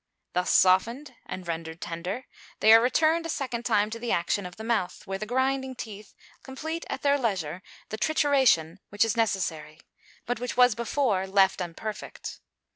Thus softened and rendered tender, they are returned a second time to the action of the mouth, where the grinding teeth complete at their leisure the trituration which is necessary; but which was before left imperfect.